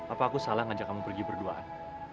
apa aku salah ngajak kamu pergi berduaan